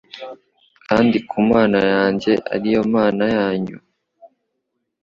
kandi ku Mana yanjye ari yo Mana yanyu."